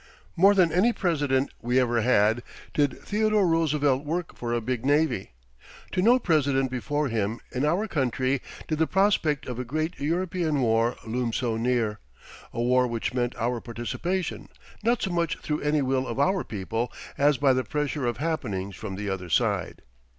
More than any President we ever had did Theodore Roosevelt work for a big navy. To no President before him in our country did the prospect of a great European war loom so near; a war which meant our participation, not so much through any will of our people as by the pressure of happenings from the other side.